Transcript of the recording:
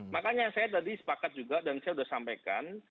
makanya saya tadi sepakat juga dan saya sudah sampaikan